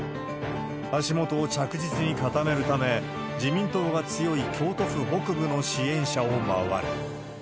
足元を着実に固めるため、自民党が強い京都府北部の支援者を回る。